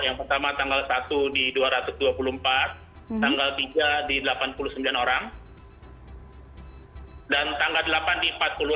yang pertama tanggal satu di dua ratus dua puluh empat tanggal tiga di delapan puluh sembilan orang dan tanggal delapan di empat puluh enam